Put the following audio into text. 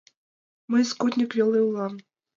— Мый скотник веле улам!